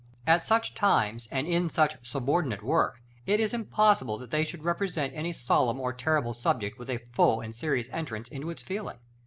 At such times, and in such subordinate work, it is impossible that they should represent any solemn or terrible subject with a full and serious entrance into its feeling.